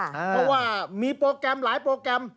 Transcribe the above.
เพราะว่ามีโปรแกรมหลายโปรแกรม